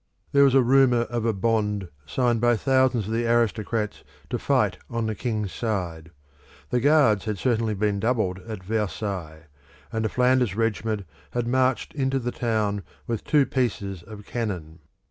There was a rumour of a bond signed by thousands of the aristocrats to fight on the king's side. The Guards had certainly been doubled at Versailles; and a Flanders regiment had marched into the town with two pieces of cannon.